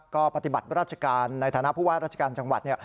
ก็ปฏิบัติราชการในฐานะผู้ว่าราชการจังหวัด